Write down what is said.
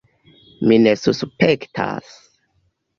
Mi ne suspektas.